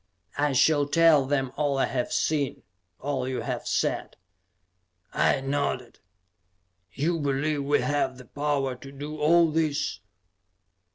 "I shall tell them all I have seen; all you have said," I nodded. "You believe we have the power to do all this?"